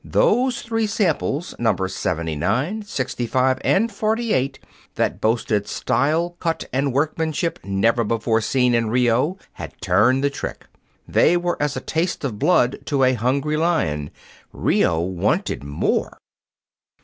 Those three samples, Nos. 79, 65, and 48, that boasted style, cut, and workmanship never before seen in Rio, had turned the trick. They were as a taste of blood to a hungry lion. Rio wanted more!